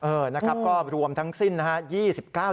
เออนะครับก็รวมทั้งสิ้นนะฮะ